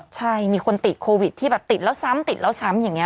ใช่มีคนติดโควิดที่แบบติดแล้วซ้ำติดแล้วซ้ำอย่างนี้